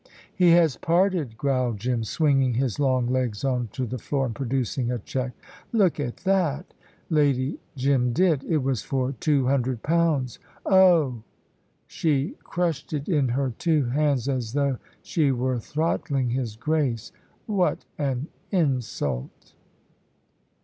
"He has parted," growled Jim, swinging his long legs on to the floor and producing a cheque. "Look at that." Lady Jim did. It was for two hundred pounds. "Oh!" She crushed it in her two hands, as though she were throttling his Grace. "What an insult!"